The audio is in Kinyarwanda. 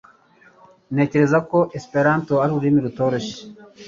Ntekereza ko Esperanto ari ururimi rutoroshye